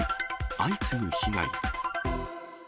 相次ぐ被害。